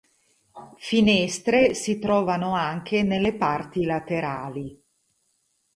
Finestre si trovano anche nelle parti laterali.